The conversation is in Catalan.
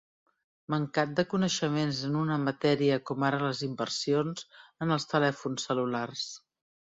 Mancat de coneixements en una matèria com ara les inversions en els telèfons cel·lulars.